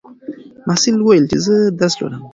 محصل وویل چې زه درس لولم.